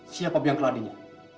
siapa yang keladinya